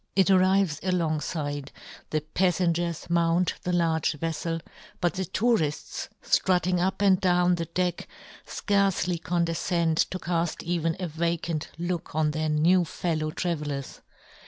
It arrives alongfide, the paflengers mount the large velTel, but the tourifts, ftrutting up and down the deck, fcarcely condefcend to call even a vacant look on their new fellow tra vellers.